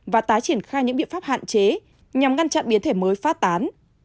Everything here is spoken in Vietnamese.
và tái triển khai những biện pháp hạn chế nhằm ngăn chặn biến thể mới phát tán